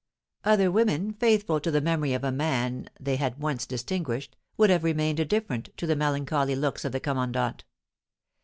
Other women, faithful to the memory of a man they had once distinguished, would have remained indifferent to the melancholy looks of the commandant.